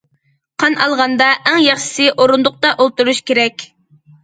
قان ئالغاندا، ئەڭ ياخشىسى ئورۇندۇقتا ئولتۇرۇش كېرەك.